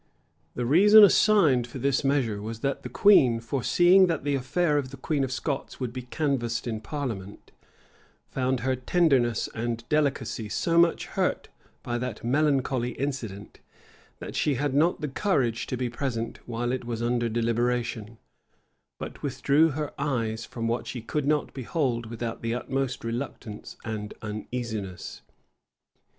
The reason assigned for this measure was, that the queen, foreseeing that the affair of the queen of Scots would be canvassed in parliament, found her tenderness and delicacy so much hurt by that melancholy incident, that she had not the courage to be present while it was under deliberation, but withdrew her eyes from what she could not behold without the utmost reluctance and uneasiness.